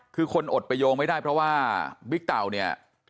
คือคนอดประโยงไม่ได้เพราะว่าบิ๊กเต่าเนี่ย